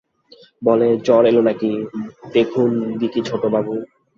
বলে, জ্বর এল নাকি, দেখুন দিকি ছোটবাবু।